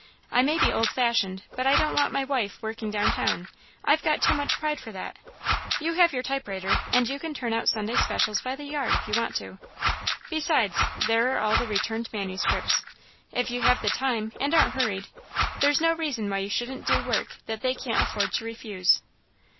I may be old fashioned, but I don't want my wife working down town I've got too much pride for that. You have your typewriter, and you can turn out Sunday specials by the yard, if you want to. Besides, there are all the returned manuscripts if you have the time and aren't hurried, there's no reason why you shouldn't do work that they can't afford to refuse."